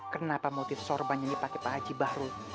kenapa motif sorban ini pakai pak haji bahru